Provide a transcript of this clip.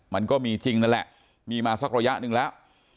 มันก็มีจริงนั่นแหละมีมาสักระยะหนึ่งแล้ว